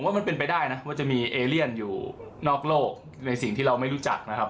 ว่ามันเป็นไปได้นะว่าจะมีเอเลียนอยู่นอกโลกในสิ่งที่เราไม่รู้จักนะครับ